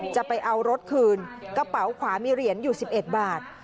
จะเอารถคืนกระเป๋าขวามีเหรียญอยู่๑๑บาท